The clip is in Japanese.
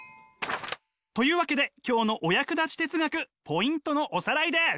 というわけで今日のお役立ち哲学ポイントのおさらいです！